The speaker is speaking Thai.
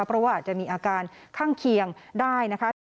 เพราะว่าจะมีอาการข้างเคียงได้